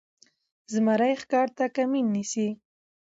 زمری ښکار ته کمین نیسي.